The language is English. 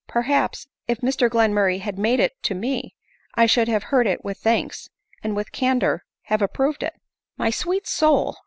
Perhaps, if Mr Glenmur ray had made it to me, I should have heard it with thanks, and with candor have approved it." "My sweet soul